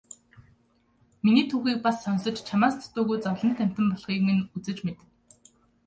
Миний түүхийг бас сонсож чамаас дутуугүй зовлонт амьтан болохыг минь үзэж мэд.